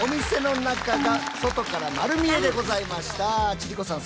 千里子さん